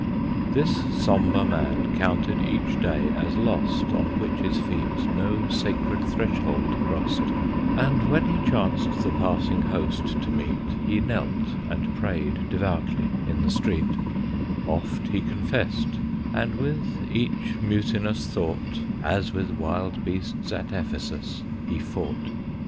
This sombre man counted each day as lost On which his feet no sacred threshold crossed; And when he chanced the passing Host to meet, He knelt and prayed devoutly in the street; Oft he confessed; and with each mutinous thought, As with wild beasts at Ephesus, he fought.